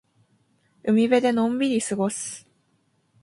海辺でのんびり過ごす。